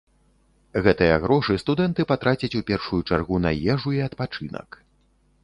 Гэтыя грошы студэнты патрацяць у першую чаргу на ежу і адпачынак.